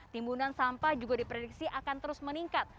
timbunan sampah juga diprediksi akan terus meningkat